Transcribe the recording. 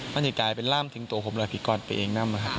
มันจะกลายเป็นร่ำถึงตัวผมหรือผิดก็อดไปเองนั่นไหมคะ